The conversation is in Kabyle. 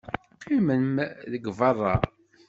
Qqimem deg beṛṛa!